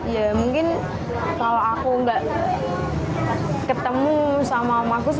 ya mungkin kalau aku nggak ketemu sama markus